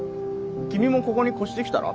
君もここに越してきたら？